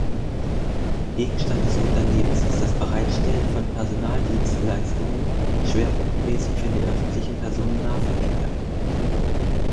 Gegenstand des Unternehmens ist das Bereitstellen von Personaldienstleistungen, schwerpunktmäßig für den öffentlichen Personennahverkehr.